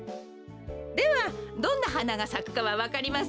ではどんなはながさくかはわかりますよね？